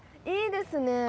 いいですね。